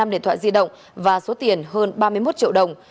năm điện thoại di động và số tiền hơn ba mươi một triệu đồng